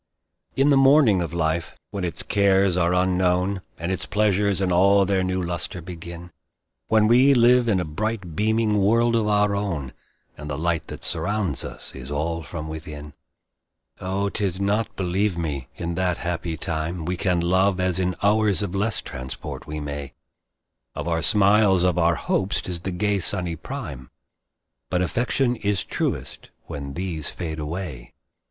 In the morning of life, when its cares are unknown, And its pleasures in all their new lustre begin, When we live in a bright beaming world of our own, And the light that surrounds us is all from within; Oh 'tis not, believe me, in that happy time We can love, as in hours of less transport we may; Of our smiles, of our hopes, 'tis the gay sunny prime, But affection is truest when these fade away.